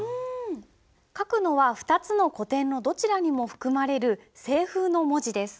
書くのは２つの古典のどちらにも含まれる「清風」の文字です。